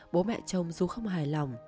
bố mẹ chồng dù không hài lòng